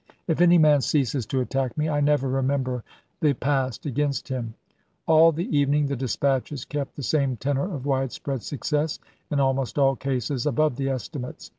If any man ceases to attack me I never remember the past against him." All the evening the dispatches kept the same tenor of widespread success — in almost all cases above the estimates.